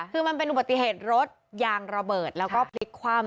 คือมันเป็นอุบัติเหตุรถยางระเบิดแล้วก็พลิกคว่ำ